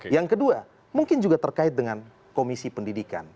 yang kedua mungkin juga terkait dengan komisi pendidikan